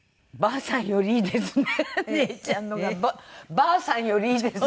「ばあさん」よりいいですね。